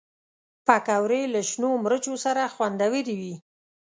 پکورې له شنو مرچو سره خوندورې وي